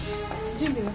準備は？